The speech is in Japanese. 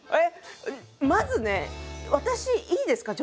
まずね私いいですか？